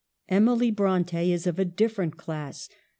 Emily Bronte is of a different class.